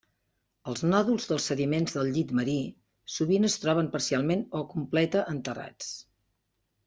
Els nòduls dels sediments del llit marí sovint es troben parcialment o completa enterrats.